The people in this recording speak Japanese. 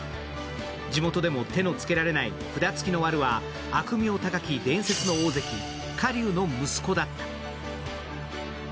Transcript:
地元でも手のつけられない札付きのワルは悪名高き伝説の大関、火竜の息子だった。